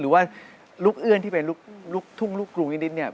หรือว่าลูกเอื้อนที่เป็นลูกทุ่งลูกกรุงนิดเนี่ย